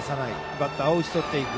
バッターを打ち取っていく。